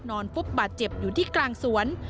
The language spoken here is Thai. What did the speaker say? ฟุบบาดเจ็บอยู่ที่กลางสวน